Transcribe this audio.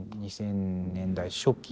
２０００年代初期。